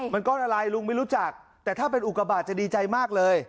มันก้อนอะไรลุงไม่รู้จักแต่ถ้าเป็นอุกบาทจะดีใจมากเลย